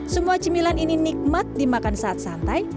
semua cemilan ini nikmat dimakan saat santai